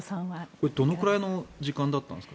これどれくらいの時間だったんですか。